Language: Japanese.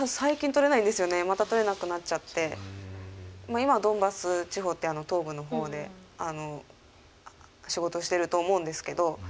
今はドンバス地方っていう東部の方で仕事してると思うんですけど。